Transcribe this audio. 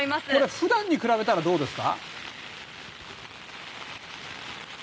普段に比べたらどうですか？